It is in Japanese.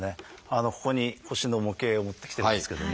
ここに腰の模型を持ってきてますけども。